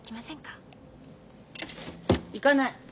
行かない。